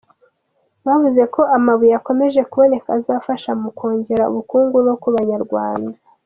Bavuze ko amabuye akomeje kuboneka azafasha mu kongera ubukungu no ku Banyarwanda.